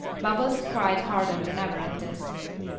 Bubbles cried harder than ever at this.